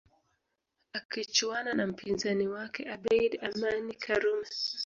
Akichuana na mpinzani wake Abeid Amani Karume